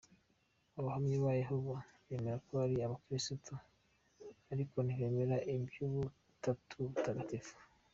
Abahamya ba Yehova bemera ko ari abakristu ariko ntibemera iby’ubutatu butagatifu .